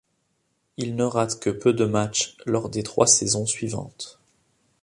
Il ne rate que peu de matchs lors des trois saisons suivantes.